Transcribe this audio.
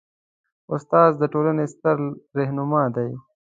استاد د ټولنې ستر رهنما دی.